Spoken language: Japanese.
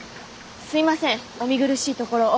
すいませんお見苦しいところを。